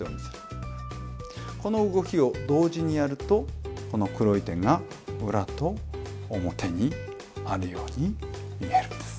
この動きを同時にやるとこの黒い点が裏と表にあるように見えるんです。